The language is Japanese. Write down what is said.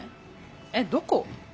えっどこ？